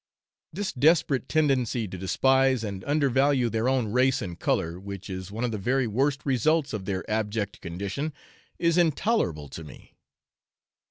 This desperate tendency to despise and undervalue their own race and colour, which is one of the very worst results of their abject condition, is intolerable to me.